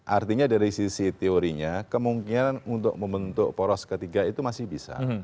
artinya dari sisi teorinya kemungkinan untuk membentuk poros ketiga itu masih bisa